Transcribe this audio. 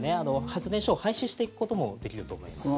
発電所を廃止していくこともできると思います。